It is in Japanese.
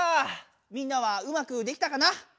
みんなはうまくできたかな？